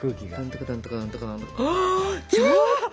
ちょっと。